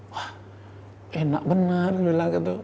wah enak benar bilang gitu